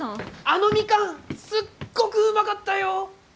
あのミカンすっごくうまかったよ！